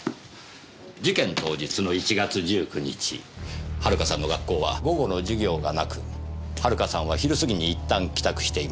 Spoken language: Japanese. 事件当日の１月１９日遥さんの学校は午後の授業がなく遥さんは昼過ぎに一旦帰宅しています。